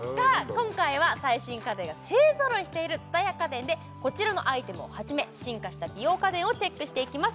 今回は最新家電が勢ぞろいしている蔦屋家電でこちらのアイテムをはじめ進化した美容家電をチェックしていきます